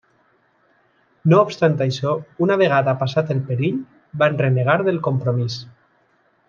No obstant això, una vegada passat el perill, van renegar del compromís.